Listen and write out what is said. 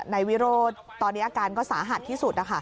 นายวิโรธตอนนี้อาการก็สาหัสที่สุด